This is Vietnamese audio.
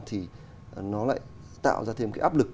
thì nó lại tạo ra thêm cái áp lực